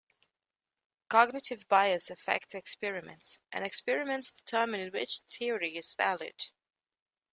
Cognitive bias affects experiments, and experiments determine which theory is valid.